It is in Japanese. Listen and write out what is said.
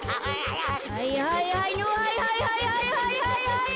はいはいはいのはいはいはいはい。